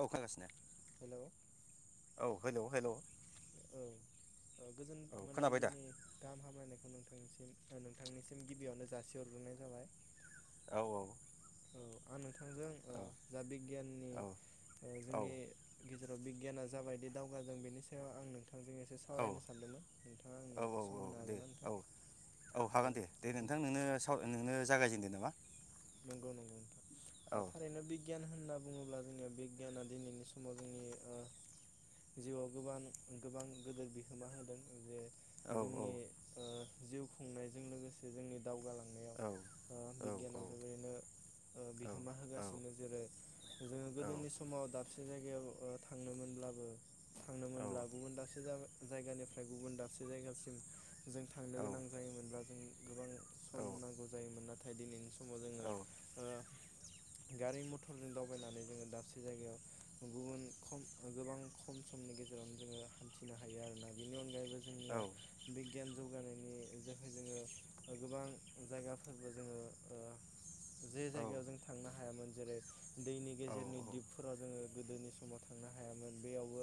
औ खागासिनो। हेलौ [inaudible] औ हेलौ हेलौ औ औ गोजोन खोनाबाय दा मोनाबिलिनि गाहाम हामलायनायखौ नोंथां नोंसिम ओ नोंथांनिसिम गिबियावनो जासिहरग्रोनाय जाबाय। औ औ औ आ थांजों औ जा बिगियाननि औ ओ औ जोंनि गेज बिगियाना जाबायदि दावगादों बेनि सायाव आं नोंथां थांजों एसे औ सावरायनो सानदोंमोन नोंथाङा आंनो औ औ सम औ होनो दे हागोनना नोंथां? औ औ हागोन दे दे जों नोंथां नोंनो साव नोंनो जागायजेनदो नामा नंगौ नंगौ औ नोंथां। थारैनो बिगियान होन होनना बुङोब्ला जोंनिया बिगियाना दिनैनि समाव जोंनि ओ जिउआव गोबां गोबां गोेदिर बिहोमा होदों जे औ औ जोंनि ओ जिउ खुंनायजों लोगोसे जोंनि दावगालांनायाव औ ओ औ औ बिदियानो बेनो ओ औ बिहोमा होगासिनो जेरै जोङो औ गोदोनि समाव दा साबसे जायगायाव थांनो मोनब्लाबो थांनोमोनब्लाबोमोन दासो जाबाय जायगानिफ्राय गुबुन दाबसे जायगासिम जों थांनो औ गोनां जायोमोनब्ला जों गोबां सम नांगौ जायोमोन ना फथाय दिनैनि समाव जोङो उम ओ गारि मथरजों दावबायनानै जोङो दाबसे जायगायाव गुबुन खम गोबां खम समनि गेजेरावनो जोङो हान्थिनो हायो आरोना बेनि अनगायै जोंनिया बिगियान जौगानायनि थाखाय जोङो गोबां जायगाफोरबो जोङो ओ जे जायगायाव जों थांनो हायामोन जेरै दैनि गेजेरनि दिपफोरााव जोङो गोदोनि समाव थांनो हायामोन बेयावबो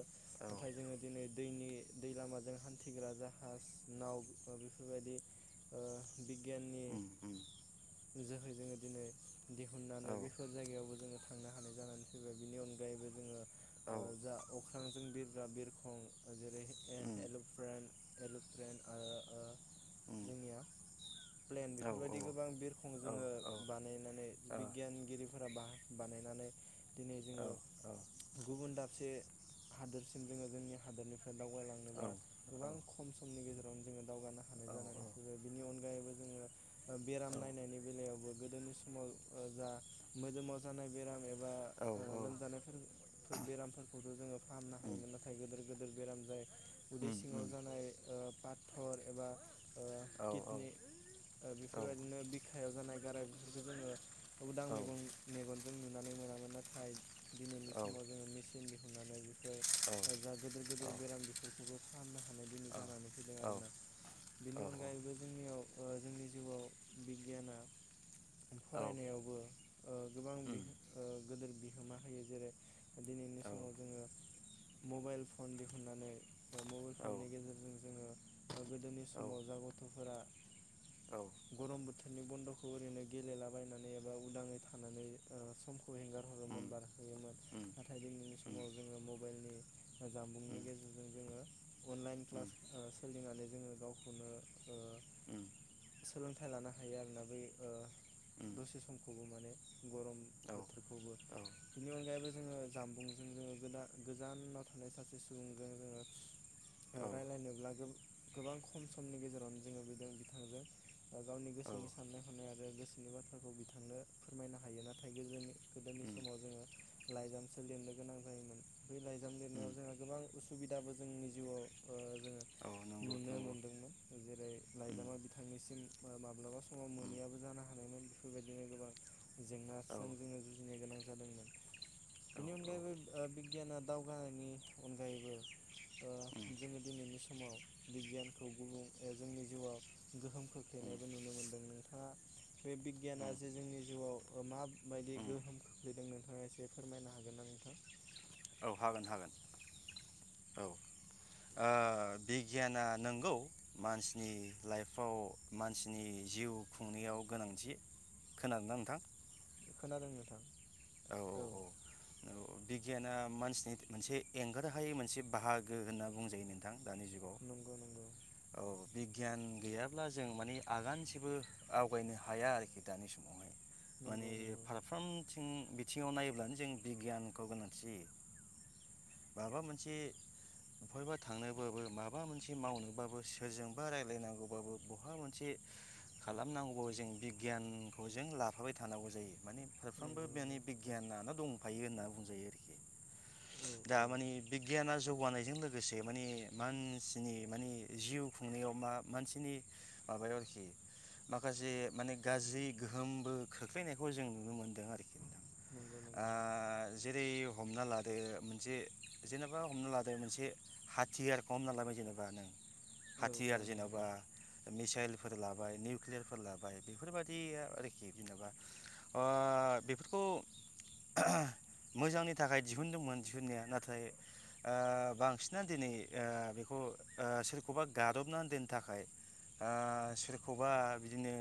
नाथाय जोङो दिनै दैनि दै लामाजों हान्थिग्रा जाहाज नाव बेफोरबायदि ओ बिगियान उम उम जोहै जोङो दिनै दिहुननानै औ बेफोर जायगायावबो जोङो थांनो हानाय जानानै फैबाय बिनि अनगायैबो जोङो औ जा अख्रां जों बिरग्रा बिरखं जेरै उम एल'प्रेन् एल'प्रेन् आरो ओ उम जोंनिया प्लेन औ औ बेफोरबायदि ओ गोबां बिर औ जोङो बानायनानै औ बिगियानगिरिफोरा बानायनानै दिनै औ जोङो गुबुन दाबसे हादोरसिम जोङो जोंनि हादोरनिफ्राय दावगलांनोबा गोबां खमनि गेजेरावनो जोङो दावगानो हानाय जानानै फैबाय बिनि अनगायैबो जोङो बेराम नाय नि बेलायावबो गोदोनि समाव जा मोदोमाव जानाय बेराम ए बा औ औ लोमजानायफोर फोर बेरामफोर थ' जोंङो फाहामनो उम हायोमोन नाथाय गिदिर-गिदिर बेराम जायो उदै उम उम सिङाव जानाय पााथर एबा ओ औ किदनि बेफोरबायदिनो बिखायाव जानाय गाराय बेफोरखौ जोंङो उदां मैगन मेगन जों नुनानै मोनामोन नाथाय दिनैनि समाव जोंङो मिसि नदिहनानै बेफोर जा गोदोर-गोदोर बेराम बेफोरखौबो फाहामनो हानाय दिनै जानानै फैदों आरोना बेनि अनगायैबो जोंनियाव जोंनि जिउआव बि गियाना फरायनायावबो ओ गोबां उम बि गोदिर बिहोमा होयो जेरै दिनैनि समाव औ जोंङो मबाइल फन दिहुननानै मबाइल औ फननि गेजेरजों जोंङो गोदोनि औ समाव जा गथ'फोरा गरम बो थोरनि बन्द'खौ ओरैनो गेलेलाबायनानै एबा उदाङै थानानै समखौ हेंगार उम हरोमोन उम बारहोयोमोन नाथाय दिनैनि उम समाव जोंङो मबाइलनि जामबुंनि उम गेजेरजों जोंङो अनलाइन उम क्लास सोलिनानै जोंङो गावखौनो सोलोंथाइ लानो हा यो आरोना बै ओ उम दसे समखौबो माने गरम औ औ उम बोथोरखौबो बिनि अनगायैबो जोंङो जामबुंजों जोंङो गोदान गोजानाव थानाय सासे सुबुंजों जोंङो रायलायनोब्लाबो गोबां खम समनि गेजेरावनो जोंङो बेजों बिथांजों गावनि गोसो गोसोनि साननाय हनाय आरो गोसोनि बाथ्राखौ बिथांनो फोरमायनो हायो नाथाय गोदोनि गोदोनि समाव जोंङो लाइजामसो लिरनो गोनां जायोमोन। बे लाइजाम लिरनायाव जोंहा गोबां उसुबिदाबो जोंनि जिउआव ओ जोंङो औ नंगौ नुनो नंगौ मोनदोंमोन जेरै उम लाइजामा बिथांनिसिम माब्लाबा स समाव उम मोनैयाबो जानो हानायमोन बेफोरबायदिनो गोबां औ जेंनाजों जोंङो जुजिनो गोनां जादोंमोन औ उम बेनि अनगायैबो ओ बिगियाना दावगानायनि अनगायैबो ओ उम जोंङो दिनैनि समाव बिगियानखौ गुबुं जोंनि जिउआव गोहोम उम खोख्लैनायबो नुनो मोन दों नोंथांङा बे बिगियाना जे जोंनि जिउआव माबायदि उम गोहोम खोख्लैदों नोंथांङा एसे फोरमायनो हागोन ना नोंथां औ हागोन हागोन औ ओ बिगियाना नोंगौ मानसिनि लाइफआव मानसिनि जिउ खुंनायाव गोनांथि खोनादोंना नोंथां खोनादों नोंथां औ औ औ औ बिगियाना मानसि नि मोनसे एंगार हायै मोनसे बाहागो होनना बुंजायो नोंथां दानि जुगाव नंगौ नंगौ औ बिगियान गैयाब्ला जों माने आगानसेबो आवगायनो हाया आरोखि दानि समावहाय नंगौ माने नंगौ फारफ्रामथि थिं बिथिंङाव नायब्लानो जों बिगियानखौ गोनांथि जायो माबा मोनसे अफायबा थांनोबाबो माबा मोनसे मावनोबाबो सोरजोंबा रायलायनांगौबाबो बहाबा मोनसे खालामनांगौबाबो जों बिगियानखौ जों लाफाबाय थानांगौ जायो। माने फारफ्रोमबो नंगौ बेनि नंगौ नानो‌ दंफायो होनना बुंजायो आरोखि। औ दा औ माने बिगियाना जौगानाय बेजों लोगोसे माने मानसिनि माने जिउ खुंनायाव मा मानसिनि माबायाव आरोखि माखासे माने गाज्रि गोहोमबो खोख्लैनायखौ जों नुनो मोनदों आरोखि नंगौ आ नंगौ जेरै हमना लादो मोनसे जेनेबा हमना लादो मोनसे हाथियारखौ हमना लाबाय जेनेबा नों औ औ हाथियार नंगौ जेन'बा मिसाइल फोर लाबाय निउक्लियारफोर लाबाय बेफोरबायदि आरोखि जेन'बा ओ बेफोरखौ मोजांनि थाखाय दिहुनदोंमोन दिहुननाया नाथाय ओ बांसिनानो ओ दिनै बेखौ ओ सोरखौबा गादबनानै दोननो थाखाय ओ सोरखौबा बिदिनो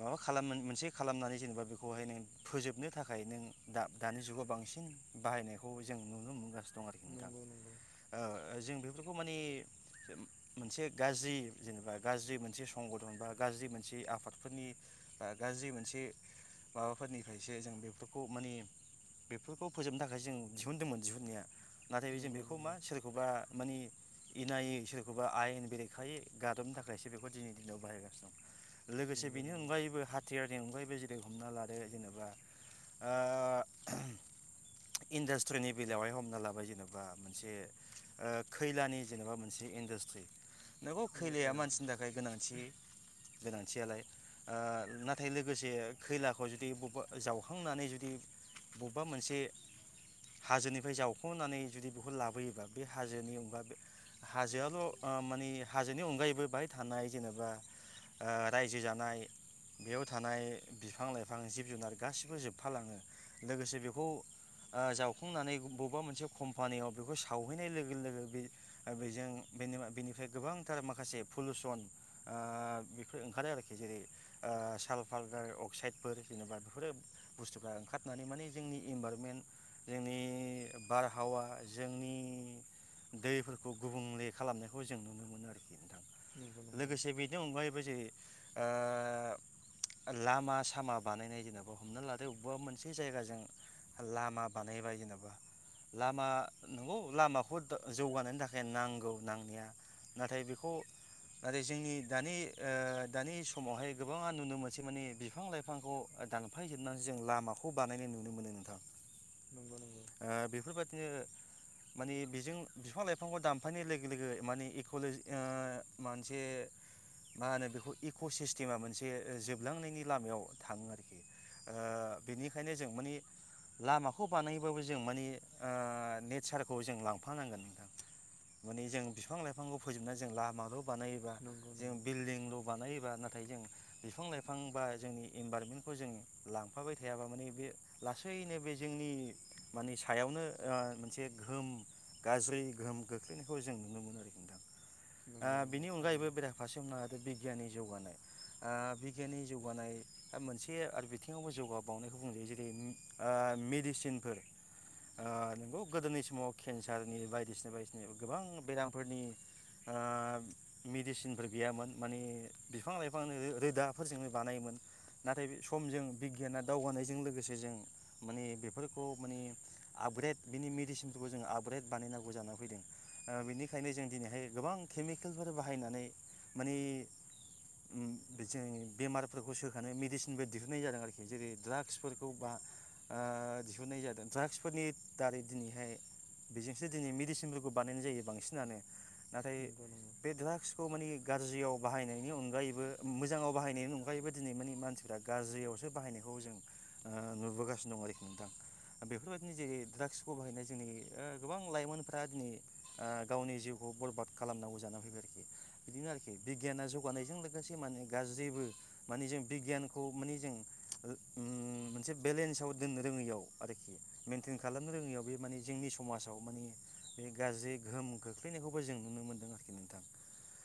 माबा खालाम मोनसे खालामनानै जेनेबा बेखौहाय नों फोजोबनो थाखाय नों दा दानि जुगाव बांसिन बाहायनायखौ जों नुनो मोनगासिनो दं आरोखि नोंथां नंगौ-नंगौ ओ जों बेफोरखौ माने मोनसे गाज्रि जेनेबा गाज्रि मोनसे संगधन बा गाज्रि मोनसे आफादफोरनि बा गाज्रि मोनसे माबा फोरनिफ्रायसो जों बेफोरखौ माने बेफोरखौ फोजोबनो थाखायसो जों दिहुनदोंमोन दिहुननाया नाथाय जों नंगौ नंगौ बेखौ मा सोरखौबा माने इनायै सोरखौबा आयेन बेरेखायै गादबनो थाखायसो बेखौ दिनैनि दिनाव बाहायगासिनो दं। लोगोसे नंगौ बेनि नंगौ अनगायैबो हाथियार मेंबायबो जेरै हमना ला जेनेबा ओ इनडास्ट्रिनि बेलायावहाय हमना लाबाय जेनेबा मोनसे ओ खैलानि जेनेबा मोनसे इन्डास्ट्रि नोंगौ औ खैलाया औ मानसिनि थाखाय गोनांथि गोनांथियालाय ओ नाथाय लोगोसे खैला खौ जुदि बबेबा जावखांनानै जुदि बबेबा मोनसे हाजोनिफ्राय जावखांनानै जुदि बेखौ लाबोयोबा बे हाजोनि अनगा हाजोआल' ओ मानि हाजोनि अनगायैबो बाहाय थानाय जेनेबा ओ रायजो जानाय बेयाव थानाय बि बिफां लाइफां जिब जुनार गासिबो जोबफालाङो लोगोसे बेखौ जावखांनानै बबेबा मोनसे कम्पानियाव बेखौ सावहैनाय लोगो लोगो बे बेजों बेनिफ्राय गोबांथार माखासे पलुसन बेफोर ओंखारो आरोखि जेरै सालफाराइ अक्साइड फोर जेनेबा बेफोरो बुस्थुफ्रा ओंखारनानै माने जोंनि इनभाइरमेन्ट जोंनि बारहावा जोंनि दैफोरखौ गुबुंले खालामनायखौ जों नुनो मोनो आरो। नोंथां नंगौ नंगौ लोगोसे बेनि अनगायैबो जे ओ लामा सामा बानायनाय जेनेबा हमना लाद अबेबा मोनसे जायगाजों लामा बानायबाय जेनेबा लामा नंगौ लामाखौ जौगानायनि थाखाय नांगौ नांनाया नाथाय बेखौ नाथाय जोंनि दानि ओ दानि समावहाय गोबाङा नुनो मोनसे माने बिफां लाइफां बिफांखौ दानफायजोबनानै जों लामाखौ बानायनाय नुनो मोनो नोंथां। नंगौ नंगौ ओ बेफोरबादिनो माने बेजों बिफां-लाइफांखौ दानफायनाय लोगो लोगो माने इक'ले मोनसे मा होनो बेखौ इक' सिस्टेमा मोनसे जोबलांनायनि लामायाव थाङो आरोखि ओ बेनिखायनो जों माने लामाखौ बानायबाबो जों माने ओ नेचारखौ जों लांफानांगोन नोंथां माने जों बिफां लाइफांखौ फोजोबनानै जों लामाल' बानायोबा नंगौ नंगौ जों बिल्डिंल' बानायो बा नाथाय जों बिफां-लाइफां बा जोंनि इनभारनमेन्टखौ जों लांफाबाय थायाबा माने बे लासैनो बे जोंनि माने सायावनो ओ मोनसे गोहोम गाज्रि गोहोम खोख्लैनायखौ जों नुनो मोनो आरोखि नोंथां। ओ नंगौ नंगौ बिनि अनगायैबो थारैनो बेरा फारसे हमना लादो बि बिगियाननि जौगानाय ओ बिगियाननि जौगानाय दा मोनसे आरो बिथिङावबो जौगाबावनायखौ बुंजायो जेरै ओ मेडिसिनफोर ओ नंगौ गोदोनि समाव केन्सारनि बायदिसिना, बायदिसिना गोबां बेरामफोरनि ओ मेडिसिनफोर गैयामोन माने बिफां लाइफांनि रोदाफोरजों बानायोमोन। नाथाय बे समजों बिगियाना दावगानायजों लोगोसे जों माने बेफोरखौ माने आपग्रेड बिनि मेडिसिनफोरखौ जों आपग्रेड बानायनांगौ जानानै फैदों। ओ बेनिखायनो जों दिनैहाय गोबां केमिकेलफोर बाहायनानै माने ओम जों बेमारफोरखौ सो खानो मेडिसिनबो दिहुननाय जादों आरोखि जेरै ड्राग्सफोरखौ बा ओ दिहुननाय जादों ड्राग्सफोरनि दारै दिनैहाय बेजोंसो दिनै मेडिसिनफोरखौ बानायनाय जायो बांसिनानो। नाथाय नंगौ नंगौ बे ड्राग्सखौ माने गाज्रियाव बाहायनायनि अनगायैबो मोजाङाव बाहायनायनि अनगायैबो दिनै माने मानसिफ्रा गाज्रियावसो बाहायनायखौ जों ओ नुबोगासिनो दं आरोखि नोंथां। बेफोरबायदिनो जेरै ड्राग्सखौ बाहायनाय जोंनि गोबां लाइमोनफ्रा दिनै गावनि जिउखौ बरबाद खालामनांगौ जानानै फैबाय आरोखि बिदिनो आरोखि बिगियाना जौगानायजों लोगोसे माने गाज्रिबो माने जों बिगियानखौ माने जों ओम मोनसे बेलेन्साव दोननो रोङैयाव आरोखि मेन्टेन खालामनो रोङैयाव बे माने जोंनि समाजाव माने बे गाज्रि गोहोम खोख्लैनायखौबो जों नुनो मोन्दों आरोखि नोंथां। ओ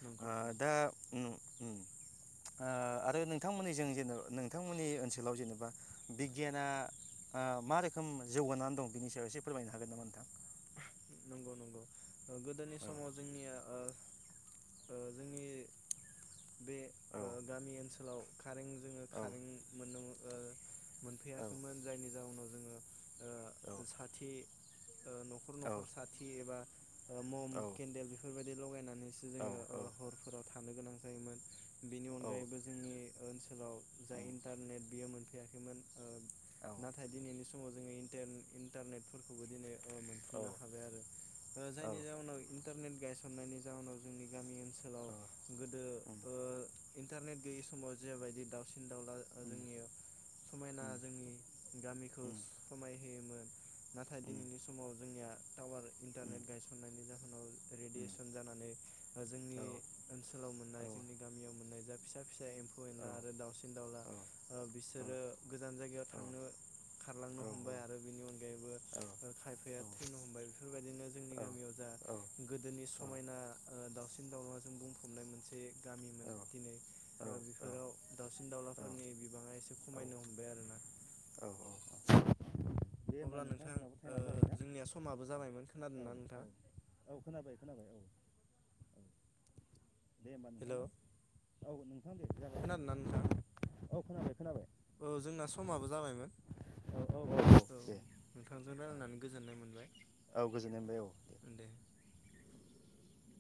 नंगौ नंगौ दा ओम ओम आ आरो नोंथांमोननि जों जेनब नोंथांमोननि ओनसोलाव जेनेबा बिगियाना ओ मा रोखोम जौगानानै दं बेनि सायाव एसे फोरमायनो हागोन नामा नोंथां? नंगौ नंगौ। गोदोनि औ समाव जोंनिया ओ ओ जोंनि बे ओ गामि ओनसोलाव कारें जोङो औ खारें मोनो औ मोनफैयाखैमोन जायनि जाउनाव जोङो ओ साथि ओ। न'खर औ न'खर साथि एबा ओ मम केन्देल बेफोरबायदि लगायनानै जोङो ओ हरफोराव था थानो गोनां जायोमोन बेनि औ अनगायैबो जोंनि ओनसोलाव जा इन्टारनेट बेयो मोन फैयाखैमोन। ओ औ नाथाय दिनैनि स समाव जोङो इन्टारनेटफोरखौबो दिनै ओ मोन औ फुंनो हाबाय आरो जायनि जउनाव इन्टारनेट। गायसननायनि जाउनाव जों गामि ओन ओनसोलाव गोदो उम ओ। इन्टारनेट गैयै समाव जेबायदि दावसिन। दावला उम जोंनि समायना जोंनि गामिखौ उम समाय होयोमोन नाथाय उम दिनैनि समाव जोंनिया टावार उम इन्टारनेट गायसननायनि जा उम रेडियेसन जानानै औ जोंनि ओनसोलाव औ मोननाय जोंनि गामियाव मोननाय जा फिसा फिसा एम्फौ एनला औ आरो दावसिन दाउला ओ बिसोरो गोजान जायगायाव थांनो खारलांनो हमबाय आरो बिनि अनगायैबो खायफाया थैनो हमबाय बेफोरबायदिनो जोंनि गामियाव जा औ गोदोनि समायना ओ दावसिन दाउलाजों बुंफबनाय मोनसे गामिमोन औ दिनै बेफोराव दाउसिन दाउलाफोरनि बिबाङा एसे खमायनो हमबाय आरोना दे होमबा अब्ला नोंथां जोंनाबो ओ टाइमा जाबाय ना जोंनिया समाबो जाबायमोन औ खोनादोंना नोंथां औ औ खोनाबाय खोनाबाय औ औ दे होमबा नोंथां हेलौ ना औ खोनादोंना नोंथां खोनाबाय खोनाबाय औ जोंना समाबो जाबायमोन औ दे नोंथांजों औ रायल्लायनानै गोजोननाय मोनबाय औ गोजोननाय मोनबाय औ दे